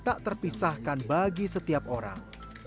tak terpisahkan bagi setiap orang